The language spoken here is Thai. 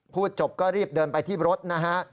พูดจบก็รีบเดินไปที่รถนะฮะ